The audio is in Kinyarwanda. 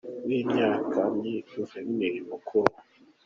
w’imyaka ni Guverineri Mukuru.